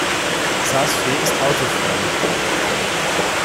Saas-Fee ist autofrei.